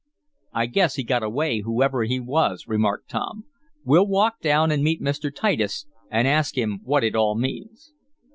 "I guess he got away, whoever he was," remarked Tom. "We'll walk down and meet Mr. Titus, and ask him what it all means."